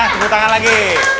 tepuk tangan lagi